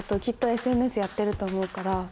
きっとＳＮＳやってると思うから。